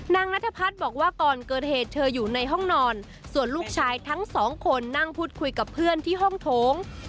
นัทพัฒน์บอกว่าก่อนเกิดเหตุเธออยู่ในห้องนอนส่วนลูกชายทั้งสองคนนั่งพูดคุยกับเพื่อนที่ห้องโถง